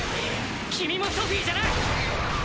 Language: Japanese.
君もソフィじゃない！